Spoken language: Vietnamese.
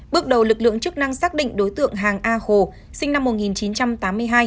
bước đầu lực lượng chức năng xác định đối tượng hàng a khổ sinh năm một nghìn chín trăm tám mươi hai